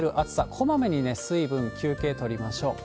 こまめに水分、休憩取りましょう。